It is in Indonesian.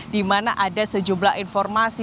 dimana ada sejumlah informasi